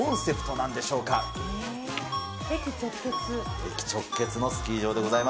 駅直結のスキー場でございま